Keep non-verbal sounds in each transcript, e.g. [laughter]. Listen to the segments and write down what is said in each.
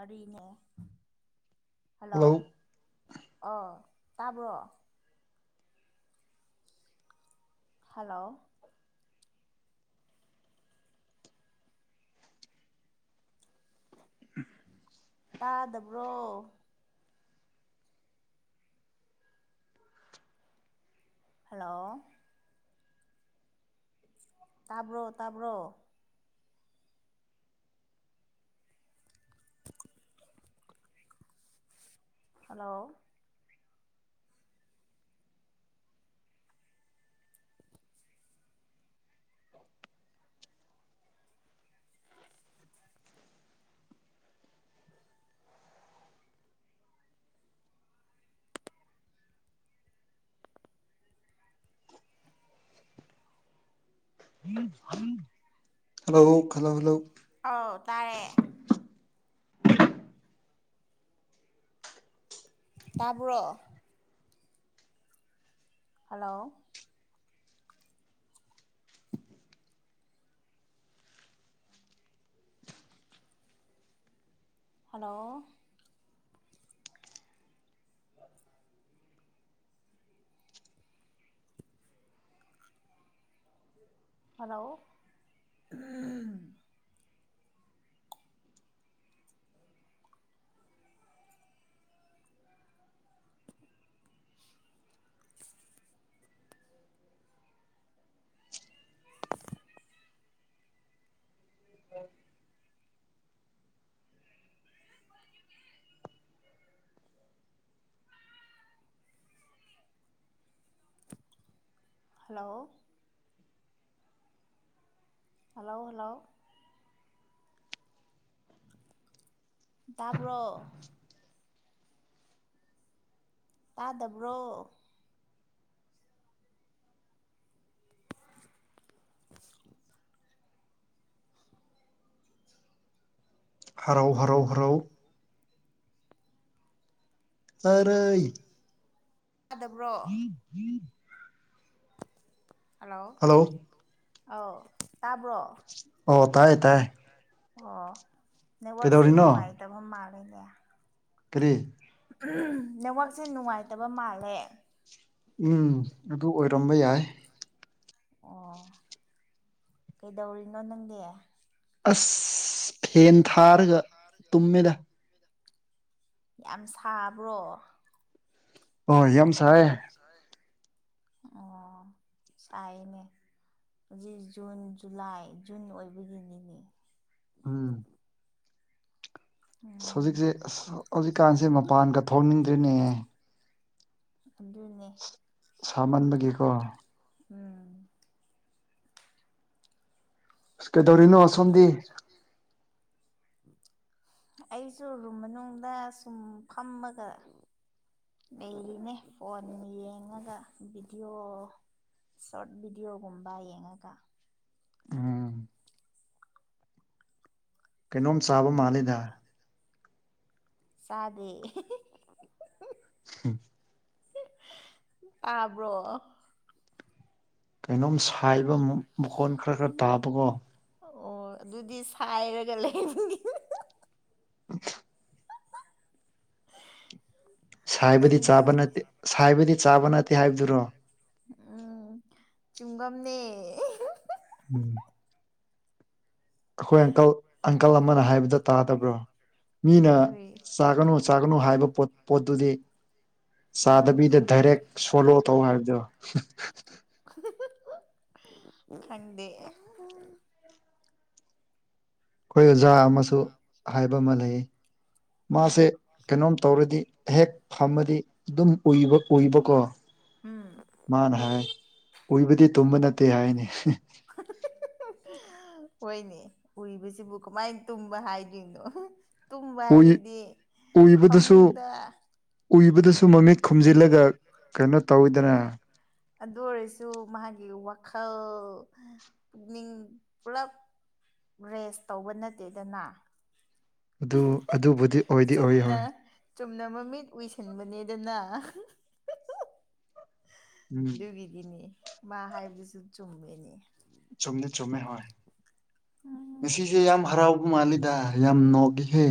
ꯑꯔꯤꯅꯦ hello ꯑꯥ ꯇꯥꯕ꯭ꯔꯣ hello ꯇꯥꯗꯕ꯭ꯔꯣ ꯍꯜꯂꯣ ꯇꯥꯕ꯭ꯔꯣ ꯇꯥꯕ꯭ꯔꯣ ꯍꯜꯂꯣ ꯍꯜꯂꯣ ꯍꯜꯂꯣ ꯍꯜꯂꯣ ꯑꯥꯎ ꯇꯥꯔꯦ ꯇꯥꯕ꯭ꯔꯣ hello hello hello [inaudible] hello hello hello ꯇꯥꯕ꯭ꯔꯣ ꯇꯥꯗꯕ꯭ꯔꯣ [inaudible] ꯍꯔꯥꯎ ꯍꯔꯥꯎ ꯍꯔꯥꯎ ꯆꯂꯩ ꯇꯗꯕ꯭ꯔꯣ ꯍꯜꯂꯣ ꯑꯥꯎ ꯇꯥꯕ꯭ꯔꯣ ꯑꯣ ꯇꯥꯏ ꯇꯥꯏ ꯑꯣ ꯅꯦꯠꯋꯥꯛꯁꯦ ꯅꯨꯡꯉꯥꯏꯇꯕ ꯃꯥꯜꯂꯦꯅꯦ ꯀ꯭ꯔꯤ ꯅꯦꯠꯋꯥꯛꯁꯦ ꯅꯨꯡꯉꯥꯏꯇꯕ ꯃꯥꯜꯂꯦ ꯎꯝ ꯑꯗꯨ ꯑꯣꯏꯔꯝꯕ ꯌꯥꯏ ꯑꯣ ꯀꯩꯗꯧꯔꯤꯅꯣ ꯅꯪꯗꯤ ꯑꯁ ꯐꯦꯟ ꯊꯥꯔꯒ ꯇꯨꯝꯃꯦꯗ ꯌꯥꯝ ꯁꯥꯕ꯭ꯔꯣ ꯑꯣ ꯌꯥꯝ ꯁꯥꯏꯌꯦ [inaudible] ꯑꯣ ꯁꯥꯏꯌꯦꯅꯦ ꯍꯧꯖꯤꯛ ꯖꯨꯟ ꯖꯨꯂꯥꯏ ꯖꯨꯟ ꯑꯣꯏꯕꯒꯤꯅꯤꯅꯦ ꯎꯝ ꯎꯝ ꯍꯧꯖꯤꯛꯁꯦ ꯑꯁ ꯍꯧꯖꯤꯛꯀꯥꯟꯁꯦ ꯃꯄꯥꯟꯒ ꯊꯣꯛꯅꯤꯡꯗ꯭ꯔꯦꯅꯦ ꯑꯗꯨꯅꯦ ꯁꯥꯃꯟꯕꯒꯤꯀꯣ ꯎꯝ ꯑꯁ ꯀꯩꯗꯧꯔꯤꯅꯣ ꯑꯁꯣꯝꯗꯤ ꯑꯩꯁꯨ ꯔꯨꯝ ꯃꯅꯨꯡꯗ ꯁꯨꯝ ꯐꯝꯃꯒ ꯂꯩꯔꯤꯅꯦ ꯐꯣꯟ ꯌꯦꯡꯉꯒ ꯚꯤꯗꯤꯑꯣ ꯁꯣꯔꯠ ꯚꯤꯗꯤꯑꯣꯒꯨꯝꯕ ꯌꯦꯡꯉꯒ ꯎꯝ ꯀꯩꯅꯣꯝ ꯆꯥꯕ ꯎꯝ ꯃꯥꯜꯂꯦꯗ ꯆꯥꯗꯦ ꯑꯦꯍꯦꯍꯦꯍꯦꯍꯦ ꯍꯝ ꯍꯝ ꯇꯥꯕ꯭ꯔꯣ ꯀꯩꯅꯣꯝ ꯁꯥꯏꯕ ꯃꯈꯣꯟ ꯈꯔ ꯈꯔ ꯇꯥꯕꯀꯣ ꯑꯣ ꯑꯗꯨꯗꯤ ꯁꯥꯏꯔꯒ ꯂꯩꯕꯒꯤꯅꯤ ꯍꯝꯍꯝ [unintelligible] ꯁꯥꯏꯕꯗꯤ ꯅꯪꯗꯤ ꯆꯥꯕ ꯅꯠꯇꯦ ꯁꯥꯏꯕꯗꯤ ꯆꯥꯕ ꯅꯠꯇꯦ ꯍꯥꯏꯕꯗꯨꯔꯣ ꯎꯝ ꯆꯨꯝꯒꯝꯅꯦ ꯑꯦꯍꯝꯍꯝ ꯎꯝ ꯑꯩꯈꯣꯏ ꯑꯪꯀꯜ ꯑꯪꯀꯜ ꯑꯃꯅ ꯍꯥꯏꯕꯗꯣ ꯇꯥꯗꯕ꯭ꯔꯣ ꯃꯤꯅ ꯀꯔꯤ ꯆꯥꯒꯅꯨ ꯆꯥ ꯒꯅꯨ ꯍꯥꯏꯕ ꯄꯣꯠ ꯄꯣꯠꯇꯨꯗꯤ ꯎꯝ ꯆꯥꯗꯕꯤꯗ ꯗꯥꯢꯔꯦꯛ ꯁꯣꯂꯣ ꯇꯧ ꯍꯥꯏꯕꯗꯨ ꯈꯪꯗꯦ ꯑꯍꯥꯍꯥ ꯑꯩꯈꯣꯏ ꯑꯣꯖꯥ ꯑꯃꯁꯨ ꯍꯥꯏꯕ ꯑꯃ ꯂꯩꯌꯦ ꯎꯝ ꯃꯥꯁꯦ ꯀꯩꯅꯣꯝ ꯇꯧꯔꯗꯤ ꯍꯦꯛ ꯐꯝꯃꯗꯤ ꯑꯗꯨꯝ ꯎꯏꯕ ꯎꯏꯕꯀꯣ ꯎꯝ ꯃꯥꯅ ꯍꯥꯏ ꯎꯏꯕꯗꯤ ꯇꯨꯝꯕ ꯅꯠꯇꯦ ꯍꯥꯏꯌꯦꯅꯤ ꯍꯦꯍꯦ ꯍꯥ ꯍꯣꯏꯅꯦ ꯎꯢꯕꯁꯤꯕꯨ ꯀꯃꯥꯏ ꯇꯨꯝꯕ ꯍꯥꯏꯗ꯭ꯣꯏꯅꯣ ꯑꯍꯥ ꯎꯏ ꯎꯏꯕꯗꯨꯁꯨ ꯐꯃꯨꯡꯗ ꯎꯏꯕꯗꯨꯁꯨ ꯁꯨꯨꯝ ꯃꯃꯤꯠ ꯈꯨꯝꯖꯤꯜꯂꯒ ꯀꯩꯅꯣ ꯇꯧꯋꯤꯗꯅ ꯑꯗꯨ ꯑꯣꯏꯔꯁꯨ ꯃꯥꯒꯤ ꯋꯥꯈꯜ ꯄꯨꯛꯅꯤꯡ ꯄꯨꯂꯞ ꯔꯦꯁ ꯇꯧꯕ ꯅꯠꯇꯦꯗꯅ ꯑꯗꯨ ꯑꯗꯨꯕꯨꯗꯤ ꯑꯣꯏꯗꯤ ꯑꯣꯏꯌꯦ ꯆꯨꯝꯅ ꯍꯣꯏ ꯆꯨꯝꯅ ꯃꯃꯤꯠ ꯎꯏꯁꯤꯟꯕꯅꯦꯗꯅ ꯑꯍꯥꯍꯥ ꯎꯝ ꯑꯗꯨꯒꯤꯒꯤꯅꯦ ꯃꯥ ꯍꯥꯏꯕꯗꯨꯁꯨ ꯆꯨꯝꯃꯦꯅꯦ ꯆꯨꯝꯗꯤ ꯆꯨꯝꯃꯦ ꯍꯣꯏ ꯎꯝ ꯉꯁꯤꯁꯦ ꯌꯥꯝ ꯍꯔꯥꯎꯕ ꯃꯥꯜꯂꯤꯗ ꯌꯥꯝ ꯌꯥꯝ ꯅꯣꯛꯢꯍꯦ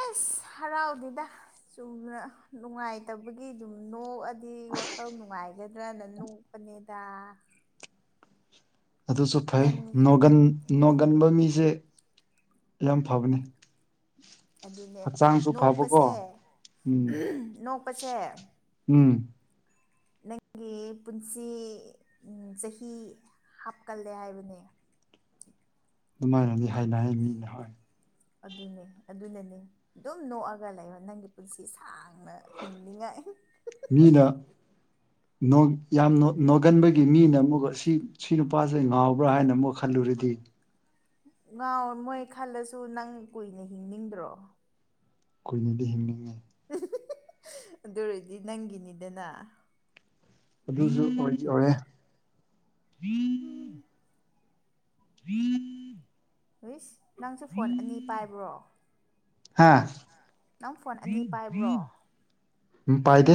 ꯑꯁ ꯍꯔꯥꯎꯗꯦꯗ ꯆꯨꯝꯅ ꯅꯨꯡꯉꯥꯏꯇꯕꯒꯤ ꯑꯗꯨꯝ ꯅꯣꯛꯑ ꯗꯤ ꯋꯥꯈꯜ ꯅꯨꯡꯉꯥꯏꯒꯗ꯭ꯔꯅ ꯅꯣꯛꯄꯅꯦꯗ ꯑꯗꯨꯁꯨ ꯐꯩ ꯅꯪ ꯅꯣꯡꯒꯟ ꯅꯣꯡꯒꯟꯕ ꯃꯤꯁꯦ ꯌꯥꯝ ꯐꯕꯅꯦ ꯑꯗꯨꯅꯦ ꯅꯣꯛꯄꯁꯦ ꯍꯝ ꯎꯝ ꯅꯣꯛꯄꯁꯦ ꯎꯝ ꯅꯪꯒꯤ ꯒꯤ ꯄꯨꯟꯁꯤ ꯆꯍꯤ ꯍꯥꯞꯀꯜꯂꯦ ꯍꯥꯏꯕꯅꯦ ꯑꯗꯨꯃꯥꯏꯅꯗꯤ ꯍꯥꯏꯅꯩꯌꯦ ꯃꯤꯅꯗꯤ ꯍꯣꯢ ꯑꯗꯨꯅꯦ ꯑꯗꯨꯅꯅꯦ ꯑꯗꯨꯝ ꯅꯣꯛꯑꯒ ꯂꯩꯔꯣ ꯅꯪꯒꯤ ꯄꯨꯟꯁꯤ ꯁꯥꯡ ꯑ ꯍꯤꯡꯅꯤꯉꯥꯏ ꯃꯤꯅ ꯅꯣꯛ ꯌꯥꯝ ꯅꯣꯒꯟꯕꯒꯤ ꯃꯤꯅ ꯑꯃꯨꯛ ꯁꯤ ꯁꯤ ꯅꯨꯄꯥꯁꯦ ꯉꯥꯎꯕ꯭ꯔꯥ ꯍꯥꯏꯅ ꯑꯃꯨꯛ ꯈꯜꯂꯨꯔꯗꯤ [inaudible] ꯉꯥꯎ ꯃꯣꯏ ꯈꯜꯂꯁꯨ ꯅꯪ ꯀꯨꯏꯅ ꯍꯤꯡꯅꯤꯡꯗ꯭ꯔꯣ ꯀꯨꯏꯅꯗꯤ ꯍꯤꯡꯅꯤꯡ ꯑꯗꯨ ꯑꯣꯏꯔꯗꯤ ꯅꯪꯒꯤꯅꯤꯗꯅ ꯑꯗꯨꯁꯨ ꯑꯣꯢꯗꯤ ꯑꯣꯏꯔꯦ [inaudible] ꯨꯏꯁ ꯅꯪꯁꯨ ꯐꯣꯟ ꯑꯅꯤ ꯄꯥꯏꯕ꯭ꯔꯣ ꯅꯪ ꯐꯣꯟ ꯑꯅꯤ ꯄꯥꯏꯕ꯭ꯔꯣ ꯎ ꯄꯥꯏꯗꯦ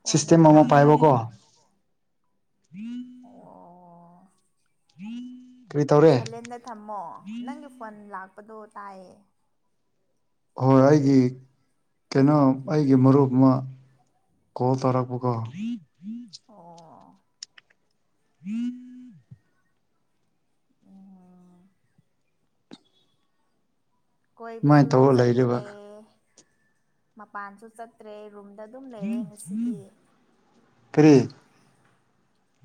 ꯐꯟ ꯁꯤꯁꯇꯦꯝ ꯑꯃ ꯄꯥꯏꯕꯀꯣ ꯂꯥꯛꯄꯒꯨꯝ ꯑꯣ ꯀꯔꯤ ꯇꯧꯔꯦ ꯁꯥꯏꯂꯦꯟꯗ ꯊꯝꯃꯣ ꯅꯪꯒꯤ ꯐꯣꯟ ꯂꯥꯛꯄꯗꯣ ꯇꯥꯏꯌꯦ ꯍꯣꯏ ꯑꯩꯒꯤ ꯀꯩꯅꯣ ꯑꯩꯒꯤ ꯃꯔꯨꯞ ꯑꯃ ꯀꯣꯜ ꯇꯧꯔꯛꯄ ꯀꯣ ꯑꯣ [inaudible] [inaudible] ꯀꯣꯏꯕꯁꯨ ꯑꯗꯨꯃꯥꯏꯅ ꯇꯧꯔ ꯆꯠꯇ꯭ꯔꯦ ꯂꯩꯔꯤꯕ ꯃꯄꯥꯟꯁꯨ ꯆꯠꯇ꯭ꯔꯦ ꯔꯨꯝꯗ ꯑꯗꯨꯝ ꯂꯩꯔꯦ ꯉꯁꯤꯗꯤ [inaudible] ꯀꯔꯤ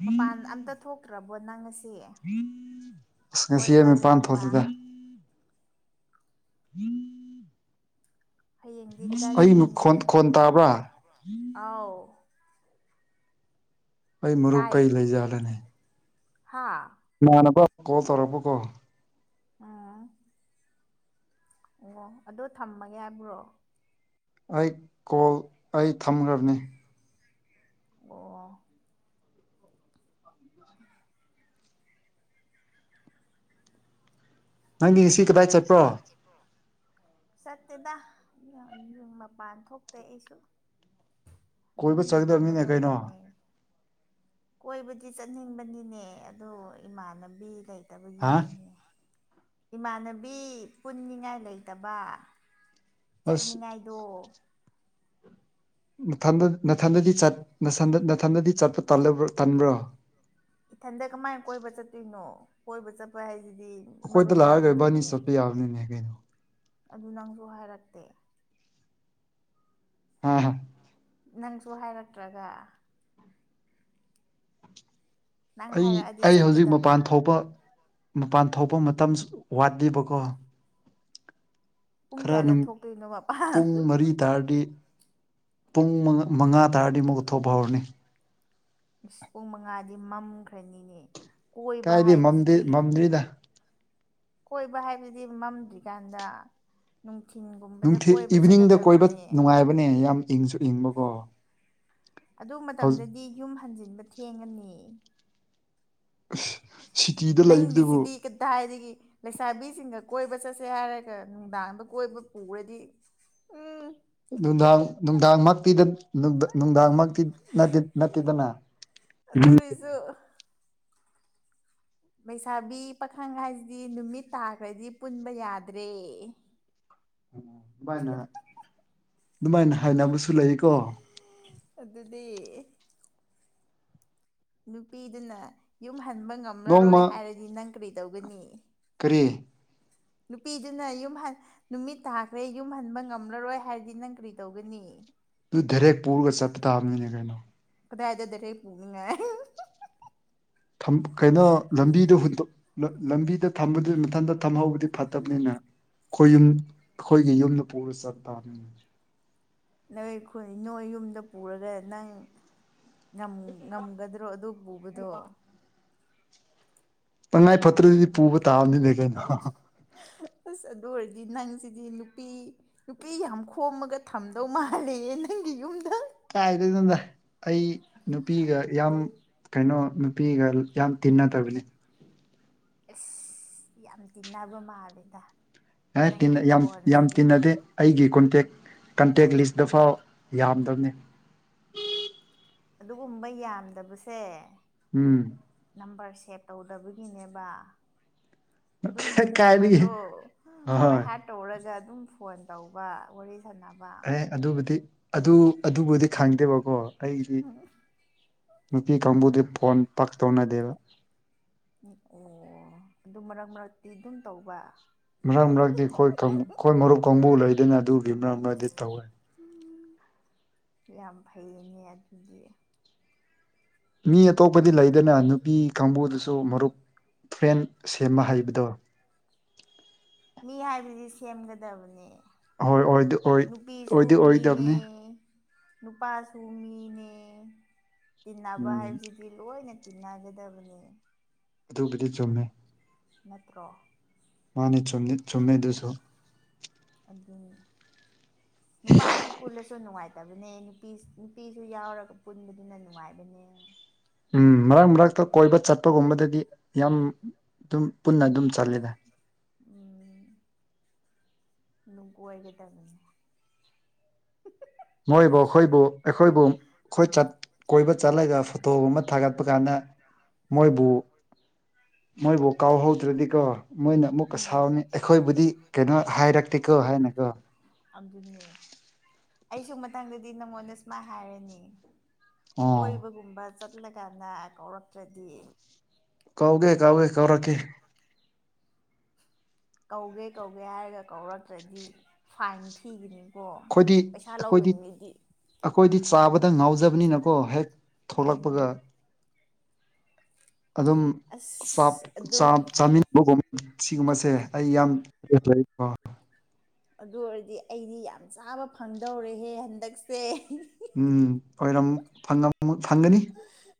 ꯃꯄꯥꯟ ꯑꯝꯇ ꯊꯣꯛꯇ꯭ꯔꯕꯣ ꯅꯪ ꯉꯁꯤ [inaudible] ꯉꯁꯤ ꯀꯣꯏꯕ ꯃꯄꯥꯟ ꯂꯥꯡꯕ ꯊꯣꯛꯇꯦꯗ [inaudible] ꯍꯌꯦꯡꯗꯤ ꯀꯗꯥꯏ ꯑꯩꯕꯨ ꯆꯠꯀꯅꯤ ꯈꯣꯟ ꯈꯣꯟ ꯇꯥꯕ꯭ꯔ ꯑꯥꯎ ꯑꯩ ꯃꯔꯨꯞ ꯇꯥꯏ ꯀꯩ ꯂꯩꯖꯥꯠꯂꯅꯦ ꯍꯥ ꯏꯃꯥꯟꯅꯕ ꯀꯣꯜ ꯇꯧꯔꯛꯄꯀꯣ ꯑꯥ ꯑꯣ ꯑꯗꯨ ꯊꯝꯃꯒꯦ ꯍꯥꯏꯕ꯭ꯔꯣ ꯑꯩ ꯀꯣꯜ ꯑꯩ ꯊꯝꯈ꯭ꯔꯕꯅꯤ ꯑꯣ ꯅꯪꯒꯤ ꯁꯤ [inaudible] ꯆꯠꯇꯦꯗ ꯌ ꯃꯄꯥꯟ ꯊꯣꯛꯇꯦ ꯑꯩꯁꯨ ꯑꯗꯨꯝ ꯀꯣꯏꯕ ꯔꯨꯝ ꯆꯠꯗꯝꯅꯤꯅꯦ ꯃꯅꯨꯡꯗ ꯀꯩꯅꯣ ꯂꯩ ꯀꯣꯏꯕꯗꯤ ꯆꯠꯅꯤꯡꯕꯅꯤꯅꯦ ꯑꯗꯨ ꯏꯃꯥꯟꯅꯕꯤ ꯂꯩ ꯍꯥ ꯏꯃꯥꯟꯅꯕꯤ ꯄꯨꯟꯅꯤꯡꯉꯥꯏ ꯂꯩꯇꯕ ꯑꯁ ꯆꯠꯅꯤꯡꯉꯥꯏꯗꯣ ꯅꯊꯟꯗ ꯅꯊꯟꯗ ꯆꯠ ꯅꯊꯟꯗꯗꯤ ꯆꯠꯄ ꯇꯟꯕ꯭ꯔꯣ ꯏꯊꯟꯗ ꯀꯃꯥꯏꯅ ꯀꯣꯏꯕ ꯆꯠꯇꯣꯏꯅꯣ ꯀꯣꯏꯕ ꯆꯠꯄ ꯍꯥꯏꯁꯦ ꯑꯩꯈꯣꯏꯗ ꯂꯥꯛꯑꯒ ꯏꯕꯥꯅꯤ ꯆꯠꯄ ꯌꯥꯕꯅꯤꯅꯦ ꯀꯩꯅꯣ ꯑꯗꯨ ꯅꯪꯁꯨ ꯍꯥꯏꯔꯛꯇꯦ ꯑ ꯍ ꯅꯪꯁꯨ ꯍꯥꯏꯔꯛꯇ꯭ꯔꯒ ꯅꯪ ꯑꯩ ꯍꯥꯏꯔꯛꯑꯗꯤ ꯑꯩ ꯍꯧꯖꯤꯛ ꯆꯠꯀꯗꯕ ꯃꯄꯥꯟ ꯊꯣꯛꯄ ꯃꯄꯥꯟ ꯊꯣꯛꯄ ꯃꯇꯝ ꯋꯥꯠꯂꯤꯕꯀꯣ ꯄꯨꯡ ꯈꯔ ꯀꯌꯥꯗ ꯅꯨꯃꯤ ꯊꯣꯛꯇꯣꯏꯅꯣ ꯃꯄꯥꯟ ꯄꯨꯡ ꯃꯔꯤ ꯇꯥꯔꯗꯤ ꯄꯨꯡ ꯃꯉꯥ ꯇꯥꯔꯗꯤ ꯑꯃꯨꯛꯊꯣꯛꯄ ꯍꯧꯔꯅꯤ ꯄꯨꯡ ꯃꯉꯥꯗꯤ ꯃꯝꯈ꯭ꯔꯅꯤꯅꯦ ꯀꯣꯏꯕ ꯀꯥꯏꯩ ꯃꯝꯗꯦ ꯍꯥꯏꯕꯁꯤꯗꯤ ꯃꯝꯗ꯭ꯔꯤꯗ ꯀꯣꯏꯕ ꯍꯥꯏꯕꯗꯤ ꯃꯝꯗ꯭ꯔꯤꯀꯥꯟꯗ ꯅꯨꯡꯊꯤꯟꯒꯨꯝꯕꯗ ꯅꯨꯡꯊꯤꯜ ꯀꯣꯏꯕ ꯏꯚꯤꯅꯤꯡꯗ ꯀꯣꯏꯕ ꯆꯠꯀꯗꯕꯅꯦ ꯅꯨꯡꯉꯥꯏꯕꯅꯦ ꯌꯥꯝ ꯏꯪꯁꯨ ꯏꯪꯕꯀꯣ ꯑꯗꯨ ꯍꯧꯖꯤꯛ ꯃꯇꯝꯗꯗꯤ ꯌꯨꯝ ꯍꯟꯖꯤꯟꯕ ꯊꯦꯡꯉꯅꯤ ꯁꯤꯇꯤꯗ ꯂꯩꯕꯗꯨꯕꯨ ꯅꯪꯒꯤꯁꯤꯗꯤ ꯀꯗꯥꯏꯗꯒꯤ ꯂꯩꯁꯥꯕꯤꯁꯤꯡꯒ ꯀꯣꯏꯕ ꯆꯠꯁꯦ ꯍꯥꯏꯔꯒ ꯅꯨꯡꯗꯥꯡꯗ ꯀꯣꯏꯕ ꯄꯨꯔꯗꯤ ꯎꯝ ꯅꯨꯡꯗꯥꯡ ꯅꯨꯡꯗꯥꯡꯃꯛꯇꯤꯅ ꯅꯨꯡꯗꯥꯡꯃꯛ ꯅꯠꯇꯤ ꯅꯠꯇꯦꯗꯅ [inaudible] ꯑꯗꯨꯔꯁꯨ ꯂꯩꯁꯥꯕꯤ ꯄꯥꯈꯪ ꯍꯥꯏꯁꯤꯗꯤ ꯅꯨꯃꯤꯠ ꯇꯥꯈ꯭ꯔꯗꯤ ꯄꯨꯟꯕ ꯌꯥꯗ꯭ꯔꯦ ꯑꯗꯨꯃꯥꯏꯅ ꯗꯨꯃꯥꯏꯅ ꯍꯥꯏꯅꯕꯁꯨ ꯂꯩꯀꯣ ꯑꯗꯨꯗꯤ ꯅꯨꯄꯤꯗꯨꯅ ꯌꯨꯝ ꯍꯟꯕ ꯅꯣꯡꯃ ꯉꯝꯔꯔꯣꯏ ꯍꯥꯏꯔꯗꯤ ꯅꯪ ꯀ꯭ꯔꯤ ꯇꯧꯒꯅꯤ ꯑꯦ ꯅꯨꯄꯤꯗꯨꯅ ꯌꯨꯝ ꯍꯟ ꯅꯨꯃꯤꯠ ꯇꯥꯈ꯭ꯔꯦ ꯌꯨꯝ ꯍꯟꯕ ꯉꯝꯂꯔꯣꯏ ꯍꯥꯏꯔꯗꯤ ꯅꯪ ꯀ꯭ꯔꯤ ꯇꯧꯒꯅꯤ ꯅꯠꯇꯦ ꯍꯦꯛ ꯄꯨꯔꯒ ꯆꯠꯄ ꯇꯥꯕꯅꯤꯅꯦ ꯀꯩꯅꯣ ꯀꯗꯥꯏꯗ ꯗꯥꯏꯔꯦꯛ ꯄꯨꯅꯤꯡꯉꯥꯏ [unintelligible] ꯊꯝ ꯀꯩꯅꯣ ꯂꯝꯕꯤꯗꯨ ꯍꯨꯟꯇꯣꯛ ꯂꯝꯕꯤꯗ ꯊꯝꯕꯗꯨ ꯃꯊꯟꯇ ꯊꯝꯍꯧꯕꯗꯤ ꯐꯠꯇꯕꯅꯤꯅ ꯈꯣꯏ ꯌꯨꯝ ꯈꯣꯏꯒꯤ ꯌꯨꯝꯗ ꯄꯨꯔ ꯆꯠ ꯇꯥꯝꯅꯤ ꯅꯣꯏꯈꯨꯟ ꯅꯣꯏ ꯌꯨꯝꯗ ꯄꯨꯔꯒ ꯅꯪ ꯉꯝ ꯉꯝꯒꯗ꯭ꯔꯣ ꯑꯗꯨ ꯄꯨꯕꯗꯣ ꯇꯪꯉꯥꯏ ꯐꯠꯇ꯭ꯔꯗꯤ ꯄꯨꯕ ꯇꯥꯕꯅꯤꯅꯦ ꯀꯩꯅꯣ ꯍꯥ ꯍꯥ ꯑꯁ ꯑꯗꯨ ꯑꯣꯏꯔꯗꯤ ꯅꯪꯁꯤꯗꯤ ꯅꯨꯄꯤ ꯅꯨꯄꯤ ꯌꯥꯝ ꯈꯣꯝꯃꯒ ꯊꯝꯗꯧ ꯃꯥꯜꯂꯤ ꯌꯦ ꯅꯪꯒꯤ ꯌꯨꯝꯗ ꯀꯥꯏꯗꯩꯅꯣꯗ ꯑꯩ ꯅꯨꯄꯤꯒ ꯌꯥꯝ ꯀꯩꯅꯣ ꯅꯨꯄꯤꯒ ꯌꯥꯝ ꯇꯤꯟꯅꯗꯕꯅꯤ ꯑꯁ ꯌꯥꯝ ꯇꯤꯟꯅꯕ ꯃꯥꯜꯂꯤꯗ ꯑꯩ ꯇꯤꯟ ꯌꯥꯝ ꯌꯥꯝ ꯇꯤꯟꯅꯗꯦ ꯑꯩꯒꯤ ꯀꯣꯟꯇꯦꯛ ꯀꯟꯇꯦꯛ ꯂꯤꯁꯇꯐꯥꯎ ꯌꯥꯝꯗꯕꯅꯤ ꯑꯗꯨꯒꯨꯝꯕ ꯌꯥꯝꯗꯕꯁꯦ ꯎꯝ ꯅꯝꯕꯔ ꯁꯦꯞ ꯇꯧꯗꯕꯒꯤꯅꯦꯕ ꯗꯨꯝ ꯀꯥꯏꯗꯒꯤ ꯅꯝꯕꯔꯗꯣ ꯍꯣꯏ ꯕꯥꯏꯍꯥꯠ ꯇꯧꯔꯒ ꯑꯗꯨꯝ ꯐꯣꯟ ꯇꯧꯕ ꯋꯥꯔꯤ ꯁꯥꯟꯅꯕ ꯑꯦ ꯑꯗꯨꯕꯨꯗꯤ ꯑꯗꯨ ꯑꯗꯨꯕꯨꯗꯤ ꯈꯪꯗꯦꯕꯀꯣ ꯑꯩꯗꯤ ꯅꯨꯄꯤ ꯀꯥꯡꯕꯨꯗꯤ ꯐꯣꯟ ꯄꯥꯛ ꯇꯧꯅꯗꯦꯕ ꯑꯣ ꯑꯗꯨ ꯃꯔꯛ ꯃꯔꯛꯇꯤ ꯑꯗꯨꯝ ꯇꯧꯕ ꯃꯔꯛ ꯃꯔꯛꯇꯤ ꯈꯣꯏ ꯀꯥꯡ ꯈꯣꯏ ꯃꯔꯨꯞ ꯀꯥꯡꯕꯨ ꯂꯩꯗꯩꯅꯦ ꯑꯗꯨꯒꯤ ꯃꯔꯛ ꯃꯔꯛꯗꯤ ꯇꯧꯋꯦ ꯌꯥꯝ ꯐꯩꯌꯦꯅꯦ ꯑꯗꯨꯗꯤ ꯃꯤ ꯑꯇꯣꯞꯄꯗꯤ ꯂꯩꯗꯅ ꯅꯨꯄꯤ ꯀꯥꯡꯕꯨꯗꯨꯁꯨ ꯃꯔꯨꯞ ꯐ꯭ꯔꯦꯟ ꯁꯦꯝꯕ ꯍꯩꯕꯗꯣ ꯃꯤ ꯍꯥꯏꯕꯗꯤ ꯁꯦꯝꯒꯗꯕꯅꯦ ꯍꯣꯏ ꯑꯣꯏꯗꯤ ꯑꯣꯏ ꯅꯨꯄꯤꯁꯨ ꯑꯣꯏꯗꯤ ꯃꯤꯅꯦ ꯑꯣꯏꯗꯕꯅꯦ ꯅꯨꯄꯥꯁꯨ ꯃꯤꯅꯦ ꯇꯤꯟꯅꯕ ꯎꯝ ꯍꯥꯏꯕꯁꯤꯗꯤ ꯂꯣꯏꯅ ꯇꯤꯅꯥꯒꯗꯕꯅꯦ ꯑꯗꯨꯕꯨꯗꯤ ꯆꯨꯝꯃꯦ ꯅꯠꯇ꯭ꯔꯣ ꯃꯥꯅꯦ ꯆꯨꯝꯅꯤ ꯆꯨꯝꯃꯦꯗꯨꯁ ꯨ ꯑꯗꯨꯅꯤ [inaudible] ꯅꯨꯄꯥꯈꯛ ꯄꯨꯜꯂꯁꯨ ꯅꯨꯡꯉꯥꯏꯇꯕꯅꯦꯄꯤ ꯅꯨꯄꯤ ꯅꯨꯄꯤꯁꯨ ꯌꯥꯎꯔꯒ ꯄꯨꯟꯕꯗꯨꯅ ꯅꯨꯡꯉꯥꯏꯕꯅꯦ ꯎꯝ ꯃꯔꯛ ꯃꯔꯛꯇ ꯀꯣꯏꯕ ꯆꯠꯄꯒꯨꯝꯕꯗꯗꯤ ꯌꯥꯝ ꯗꯨꯝ ꯄꯨꯟꯅ ꯑꯗꯨꯝ ꯆꯠꯂꯦꯗ ꯎꯝ [unintelligible] ꯀꯣꯏꯒꯗꯕꯅꯦ ꯃꯣꯏꯕꯨ ꯈꯣꯏꯕꯨ ꯑꯩꯈꯣꯏꯕꯨ ꯈꯣꯏ ꯆꯠ ꯀꯣꯏꯕ ꯆꯠꯂꯒ ꯐꯣꯇꯣꯒꯨꯝꯕ ꯊꯥꯒꯠꯄ ꯀꯥꯟꯗ ꯃꯣꯏꯕꯨ ꯃꯣꯏꯕꯨ ꯀꯥꯎꯍꯧꯗ꯭ꯔꯗꯤꯀꯣ ꯃꯣꯏꯅ ꯑꯃꯨꯛꯀ ꯁꯥꯎꯅꯤ ꯑꯩꯈꯣꯏꯕꯨꯗꯤ ꯀꯩꯅꯣ ꯍꯥꯏꯔꯛꯇꯦꯀꯣ ꯍꯥꯏꯅꯀꯣ [inaudible] ꯗꯨꯅꯦ ꯑꯩꯁꯨ ꯃꯇꯥꯡꯗꯗꯤ ꯅꯪꯉꯣꯟꯗ ꯁꯨꯃꯥꯏ ꯍꯥꯏꯔꯅꯤ ꯑꯣ ꯀꯣꯏꯕꯒꯨꯝꯕ ꯆꯠꯂꯀꯥꯟꯗ ꯀꯧꯔꯛꯇ꯭ꯔꯗꯤ ꯀꯧꯒꯦ ꯀꯥꯎꯒꯦ ꯀꯧꯔꯛꯀꯦ ꯀꯧꯒꯦ ꯀꯧꯒꯦ ꯍꯥꯏꯔꯒ ꯀꯧꯔꯛꯇ꯭ꯔꯗꯤ ꯐꯥꯏꯟ ꯊꯤꯒꯤꯅꯤ ꯑꯣ ꯑꯩꯈꯣꯏꯗꯤ ꯄꯩꯁꯥ ꯑꯩꯈꯣꯏꯗꯤ ꯂꯧꯒꯅꯤ ꯑꯩꯗꯤ ꯑꯩꯈꯣꯏꯗꯤ ꯆꯥꯕꯗ ꯉꯥꯎꯖꯕꯅꯤꯅꯀꯣ ꯍꯦꯛ ꯎꯝ ꯊꯣꯛꯂꯛꯄꯒ ꯑꯗꯨꯝ ꯆꯥꯞ ꯑꯁ ꯑꯗꯨ ꯆ ꯥ ꯆꯥꯃꯤꯟꯕꯒꯨꯝ ꯁꯤꯒꯨꯝꯕꯁꯦ ꯑꯩ ꯌꯥꯝ ꯕꯦꯠ ꯂꯩꯀꯣ ꯑꯗꯨ ꯑꯣꯏꯔꯗꯤ ꯑꯩꯗꯤ ꯌꯥꯝ ꯆꯥꯕ ꯐꯪꯗꯧꯔꯦꯍꯦ ꯍꯟꯗꯛꯁꯦ ꯎꯝ ꯑꯣꯏꯔꯝ ꯐꯪꯪꯉꯝ ꯐꯪꯒꯅꯤ